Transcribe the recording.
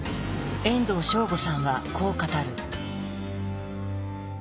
遠藤昌吾さんはこう語る。